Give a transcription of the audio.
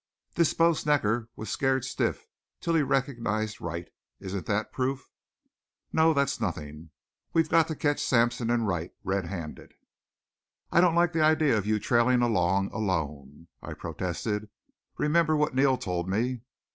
"This Bo Snecker was scared stiff till he recognized Wright. Isn't that proof?" "No, that's nothing. We've got to catch Sampson and Wright red handed." "I don't like the idea of you trailing along alone," I protested. "Remember what Neal told me.